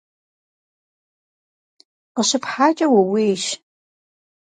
КъыщыпхьакӀэ ууейщ!